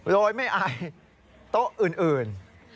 โดยไม่อายโต๊ะอื่น